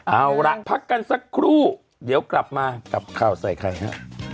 เอาล่ะพักกันสักครู่เดี๋ยวกลับมากับข่าวใส่ไข่ฮะ